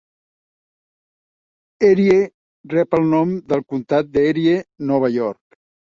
Erie rep el nom del comtat d'Erie, Nova York.